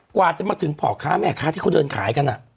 กว่าจะมาถึงพ่อค้าแม่ค้าที่เขาเดินขายกัน